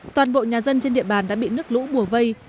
toàn bộ nhà dân trên địa bàn đã bị nước lũ bùa vây